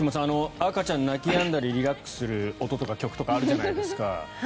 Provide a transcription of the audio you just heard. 赤ちゃんが泣きやんだりリラックスする音とか曲とかあるじゃないですか。